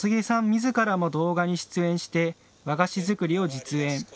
みずからも動画に出演して和菓子作りを実演。